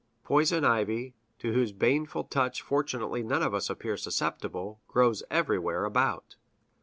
Poison ivy, to whose baneful touch fortunately none of us appear susceptible, grows everywhere about.